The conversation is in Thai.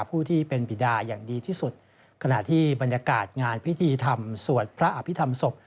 ผู้ที่เป็นบิดาอย่างดีที่สุดขณะที่บรรยากาศงานพิธีธรรมสวดพระอภิษฐรรมศพ